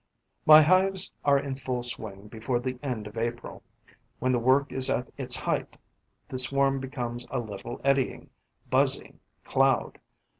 My hives are in full swing before the end of April. When the work is at its height, the swarm becomes a little eddying, buzzing cloud.